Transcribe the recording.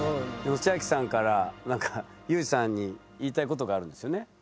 千明さんから裕士さんに言いたいことがあるんですよね？